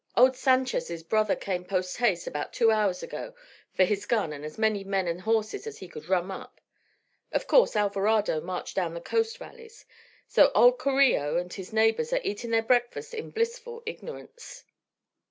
Old Sanchez' brother come post haste about two hours ago fur his gun and as many men and horses as he could drum up. Of course Alvarado marched down the coast valleys, so old Carillo and his neighbours are eatin' their breakfast in blissful ignorance."